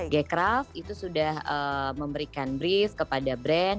g craft itu sudah memberikan brief kepada brand